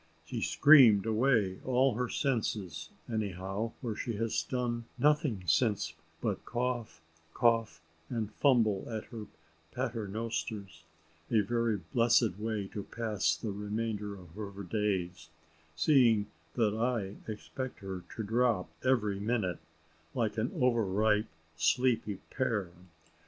She screamed away all her senses any how, for she has done nothing since but cough, cough, and fumble at her pater nosters, a very blessed way to pass the remainder of her days, seeing that I expect her to drop every minute, like an over ripe sleepy pear.